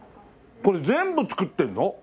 これ全部作ってるの？